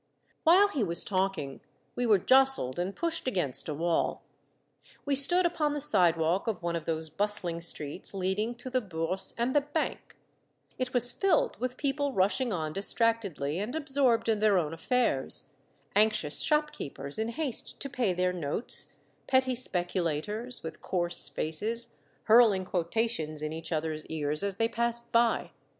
While he was talking, we were jostled and pushed against a wall. We stood upon the sidewalk of one of those bustling streets leading to the Bourse and the Bank; it was filled with people rushing on distractedly and absorbed in their own affairs, anxious shop keepers in haste to pay their notes, petty speculators, with coarse faces, hurling quota tions in each other's ears as they passed by.